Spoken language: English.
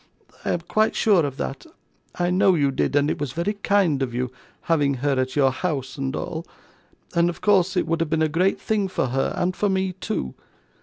I am quite sure of that; I know you did, and it was very kind of you, having her at your house and all and of course it would have been a great thing for her and for me too.